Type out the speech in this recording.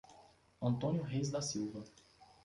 Antônio Reis da Silva